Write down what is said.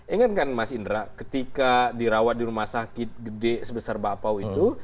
ingatkan mas indra ketika dirawat di rumah sakit besar bapak itu